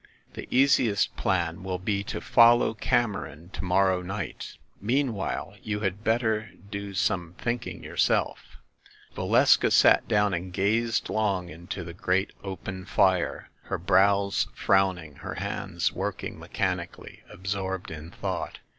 The easiest plan will be to follow Cameron to morrow night. Meanwhile, you had bet ter do some thinking yourself." 254 THE MASTER OF MYSTERIES Valeska sat down and gazed long into trie great open fire, her brows frowning, her hands working mechanically, absorbed in thought.